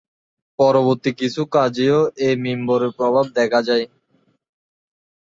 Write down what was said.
পববর্তী কিছু কাজেও এ মিম্বরের প্রভাব দেখা যায়।